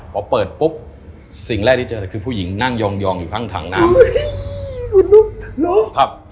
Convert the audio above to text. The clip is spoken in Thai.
พอเปิดปุ๊บสิ่งแรกที่เจอคือผู้หญิงนั่งยองอยู่ข้างถังน้ำ